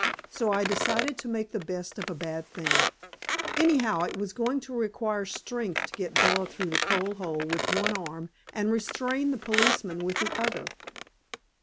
So I decided to make the best of a bad thing. Anyhow, it was going to require strength to get Bella through the coal hole with one arm and restrain the policeman with the other.